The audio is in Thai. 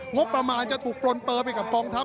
งบประมาณจะถูกปลนเปอร์ไปกับกองทัพ